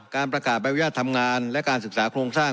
การประกาศใบอนุญาตทำงานและการศึกษาโครงสร้าง